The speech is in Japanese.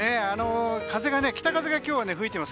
北風が今日は吹いています。